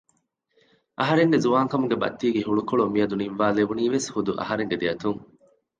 އަހަރެންގެ ޒުވާންކަމުގެ ބައްތީގެ ހުޅުކޮޅު މިއަދު ނިއްވާލެވުނީވެސް ހުދު އަހަރެންގެ ދެއަތުން